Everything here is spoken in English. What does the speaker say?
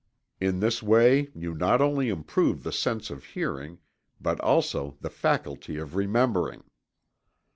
In this way you not only improve the sense of hearing, but also the faculty of remembering.